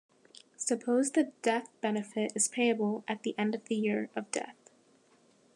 Suppose the death benefit is payable at the end of year of death.